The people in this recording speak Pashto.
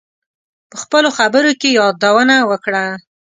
په خپلو خبرو کې یادونه وکړه.